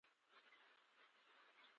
لکه ټوله کورنۍ ټول غړي ټول ښارونه.